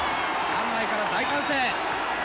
館内から大歓声。